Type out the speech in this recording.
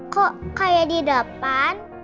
kok kayak di depan